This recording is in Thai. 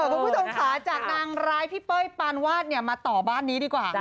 คุณผู้ชมค่ะจากนางร้ายพี่เป้ยปานวาดเนี่ยมาต่อบ้านนี้ดีกว่า